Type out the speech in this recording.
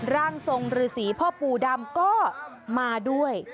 ร่างทรงฤษีพ่อปู่ดำก็มาด้วย